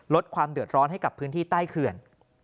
ลดความเดือดร้อนให้กับพื้นที่ใต้เขื่อน